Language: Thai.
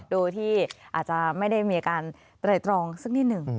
ดูที่อาจจะไม่ได้มีอาการตรายตรองซึ่งนิดหนึ่ง